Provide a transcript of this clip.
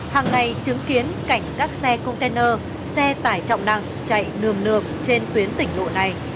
hàng ngày chứng kiến cảnh các xe container xe tải trọng năng chạy nườm nườm trên tuyến tỉnh lộ này